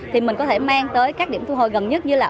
thì mình có thể mang tới các điểm thu hồi gần nhất như là